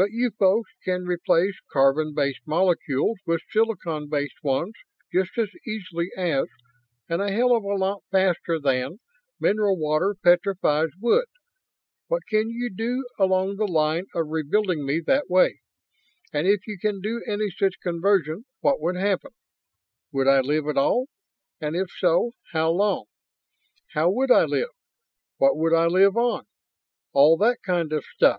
But you folks can replace carbon based molecules with silicon based ones just as easily as, and a hell of a lot faster than, mineral water petrifies wood. What can you do along the line of rebuilding me that way? And if you can do any such conversion, what would happen? Would I live at all? And if so, how long? How would I live? What would I live on? All that kind of stuff."